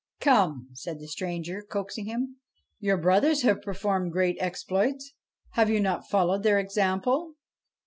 ' Come,' said the stranger, coaxing him ;' your brothers have performed great exploits : have you not followed their example